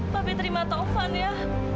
papi terima taufan ya